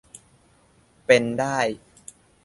เป็นได้